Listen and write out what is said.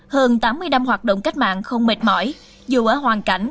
hơn tám mươi năm hoạt động cách mạng không mệt mỏi dù ở hoàn cảnh